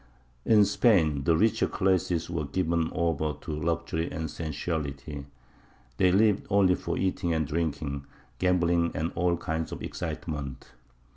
In Spain the richer classes were given over to luxury and sensuality; they lived only for eating and drinking, gambling and all kinds of excitement.